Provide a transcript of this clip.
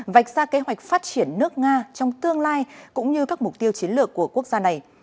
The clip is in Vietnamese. vạch ra kế hoạch phát triển nước nga trong tương lai cũng như các mục tiêu chiến lược của quốc gia này